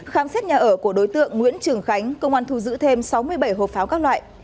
khám xét nhà ở của đối tượng nguyễn trường khánh công an thu giữ thêm sáu mươi bảy hộp pháo các loại